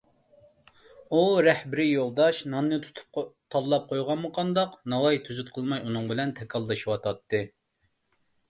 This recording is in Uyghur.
ئۇ رەھبىرىي يولداش ناننى تۇتۇپ تاللاپ قويغانمۇ قانداق، ناۋاي تۈزۈت قىلماي ئۇنىڭ بىلەن تاكاللىشىۋاتاتتى.